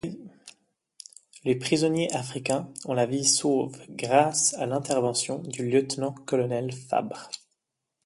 Les prisonniers africains ont la vie sauve grâce à l'intervention du lieutenant-colonel Fabre.